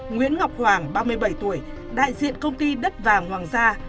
nguyễn ngọc hoàng ba mươi bảy tuổi đại diện công ty đất vàng hoàng gia